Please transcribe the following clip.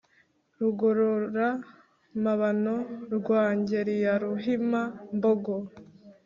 rugorora-mabano rwa ngeri ya ruhima-mbogo